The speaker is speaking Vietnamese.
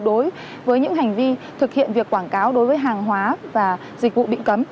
đối với những hành vi thực hiện việc quảng cáo đối với hàng hóa và dịch vụ bị cấm